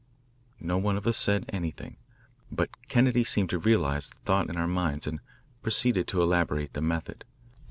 No one of us said anything, but Kennedy seemed to realise the thought in our minds and proceeded to elaborate the method.